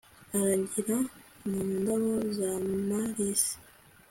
aragira mu ndabo z'amalisi